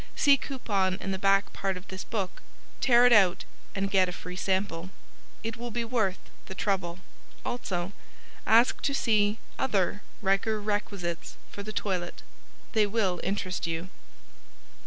See coupon in the back part of this book, tear it out and get a free sample. It will be worth the trouble. Also ask to see other Riker Requisites for the Toilet. They will interest you.